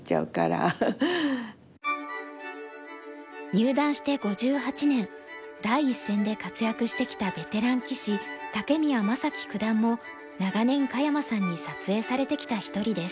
入段して５８年第一線で活躍してきたベテラン棋士武宮正樹九段も長年香山さんに撮影されてきた一人です。